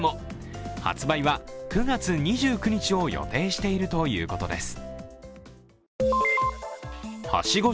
発売は９月２９日を予定しているということです。